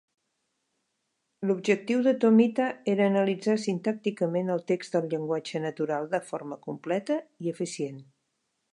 L'objectiu de Tomita era analitzar sintàcticament el text de llenguatge natural de forma completa i eficient.